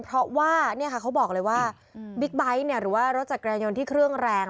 เพราะว่าเขาบอกเลยว่าบิ๊กไบท์หรือว่ารถจักรยานยนต์ที่เครื่องแรง